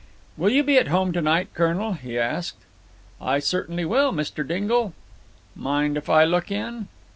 "Will you be at home to night, colonel?" he asked. "I certainly will, Mr. Dingle." "Mind if I look in?"